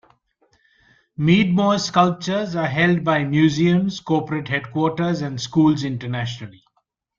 Meadmore's sculptures are held by museums, corporate headquarters, and schools internationally.